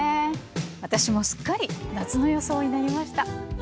私もすっかり夏の装いになりました。